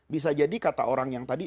bisa jadi kata orang yang tadi